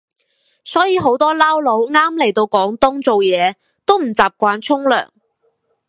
所以好多撈佬啱嚟到廣東做嘢都唔習慣沖涼